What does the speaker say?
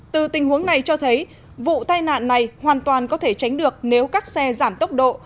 từ tình huống này cho thấy vụ tai nạn này hoàn toàn có thể tránh được nếu các xe giảm tốc độ